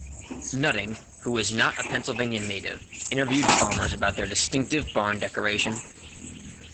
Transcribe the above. Nutting, who was not a Pennsylvania native, interviewed farmers about their distinctive barn decoration.